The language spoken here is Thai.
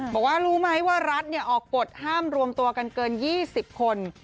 บอกว่ารู้ไหมว่ารัฐออกกฎห้ามรวมตัวกันเกิน๒๐คน